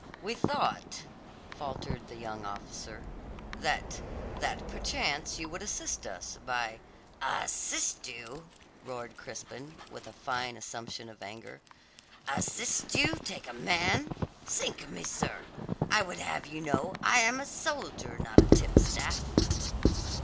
"We thought," faltered the young officer, "that that perchance you would assist us by " "Assist you!" roared Crispin, with a fine assumption of anger. "Assist you take a man? Sink me, sir, I would have you know I am a soldier, not a tipstaff!"